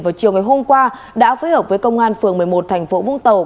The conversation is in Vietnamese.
vào chiều ngày hôm qua đã phối hợp với công an phường một mươi một tp vũng tàu